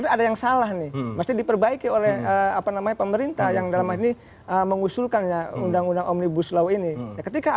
ada yang salah nih mesti diperbaiki oleh pemerintah yang dalam hal ini mengusulkannya undang undang omnibus law ini